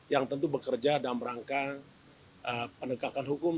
yang tentu bekerja dalam rangka penegakan hukum